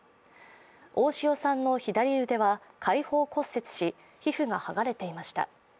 大塩さんの左腕は開放骨折し皮膚が剥がれていました。